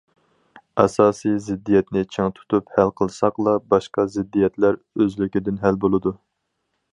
ئاساسىي زىددىيەتنى چىڭ تۇتۇپ ھەل قىلساقلا، باشقا زىددىيەتلەر ئۆزلۈكىدىن ھەل بولىدۇ.